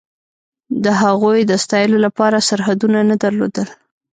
د هغوی د ستایلو لپاره سرحدونه نه درلودل.